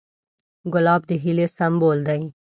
ګلاب د هیلې سمبول دی.